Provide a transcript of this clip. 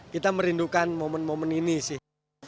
kita merindukan momen momen ini sih